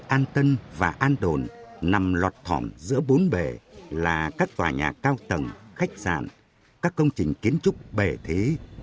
an tân và an đồn nằm lọt thỏm giữa bốn bể là các tòa nhà cao tầng khách sạn các công trình kiến trúc bề thế